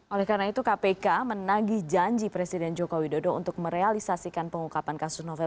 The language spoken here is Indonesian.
oleh karena itu kpk menagih janji presiden joko widodo untuk merealisasikan pengungkapan kasus novel